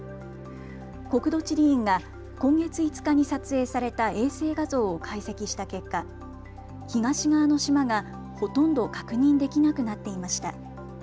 国土地理院が今月５日に撮影された衛星画像を解析した結果、東側の島がほとんど確認できなくなっていました。